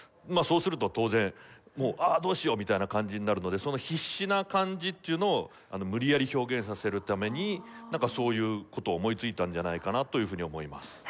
まあそうすると当然ああどうしようみたいな感じになるのでその必死な感じっていうのを無理やり表現させるためになんかそういう事を思いついたんじゃないかなというふうに思います。